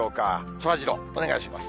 そらジロー、お願いします。